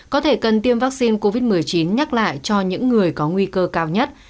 có thể cần tiêm vaccine covid một mươi chín nhắc lại cho những người có nguy cơ cao nhất